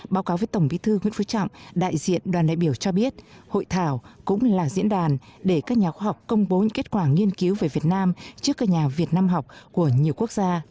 báo cáo với tổng bí thư nguyễn phú trọng đại diện đoàn đại biểu cho biết hội thảo cũng là diễn đàn để các nhà khoa học công bố những kết quả nghiên cứu về việt nam trước các nhà việt nam học của nhiều quốc gia